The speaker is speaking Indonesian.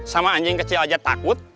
sama anjing kecil aja takut